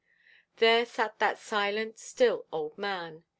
There sat that silent, still old man.